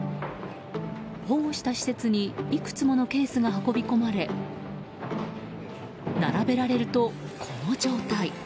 保護した施設にいくつものケースが運び込まれ並べられると、この状態。